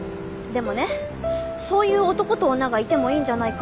でもねそういう男と女がいてもいいんじゃないかって。